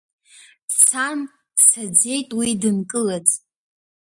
Дцан, дцаӡеит уи дынкылаӡ…